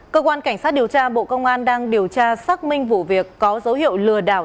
cơ quan cảnh sát điều tra bộ công an đang điều tra xác minh vụ việc có dấu hiệu lừa đảo